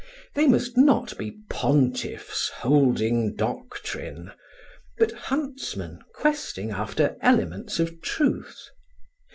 They must not be pontiffs holding doctrine, but huntsmen questing after elements of truth.